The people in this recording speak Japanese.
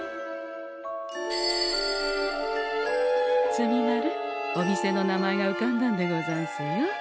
墨丸お店の名前がうかんだんでござんすよ。